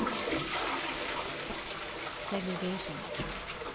Segregation.